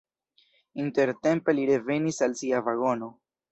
Intertempe li revenis al sia vagono.